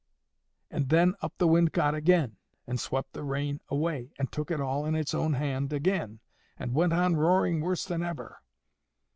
And then up the wind got again, and swept the rain away, and took it all in its own hand again, and went on roaring worse than ever.